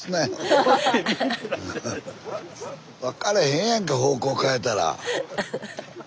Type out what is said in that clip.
分かれへんやんか方向変えたら。